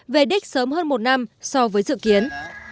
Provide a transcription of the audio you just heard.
về đích sớm hơn một năm so với dự kiến